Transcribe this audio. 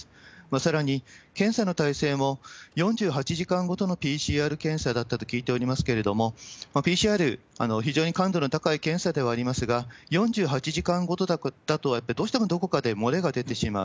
さらに、検査の体制も４８時間ごとのＰＣＲ検査だったと聞いておりますけれども、ＰＣＲ、非常に感度の高い検査ではありますが、４８時間ごとだと、どうしてもどこかで漏れが出てしまう。